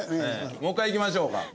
もう一回いきましょうか。